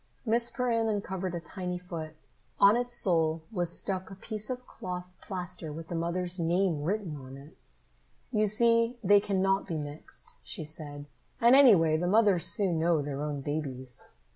Miss Perrin uncovered a tiny foot. On its sole was stuck a piece of cloth plaster with the mother's name written on it. "You see they cannot be mixed," she said. "And, anyway, the mothers soon know their own babies."